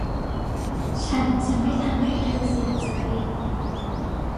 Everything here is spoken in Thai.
ฉันจะไม่ทำให้เธอเสียใจ